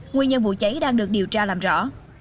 nguyên nhân vụ cháy đang được điều tra làm rõ